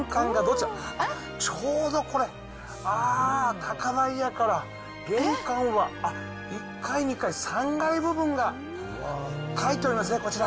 ちょうどこれ、あー、高台やから、玄関は、あっ、１階、２階、３階部分が、書いてありますね、こちら。